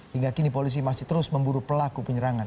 hingga kini polisi masih terus memburu pelaku penyerangan